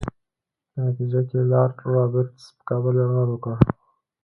په نتیجه کې لارډ رابرټس پر کابل یرغل وکړ.